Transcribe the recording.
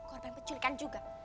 korban penculikan juga